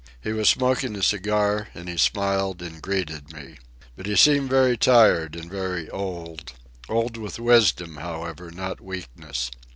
He was smoking a cigar, and he smiled and greeted me. But he seemed very tired and very old—old with wisdom, however, not weakness.